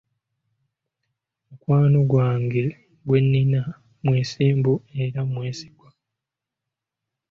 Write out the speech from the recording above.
Mukwano gwange gwe nnina mwesimbu era mwesigwa?